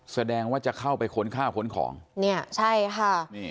แสดงว่าจะเข้าไปขนค่าขนของเนี่ยใช่ค่ะ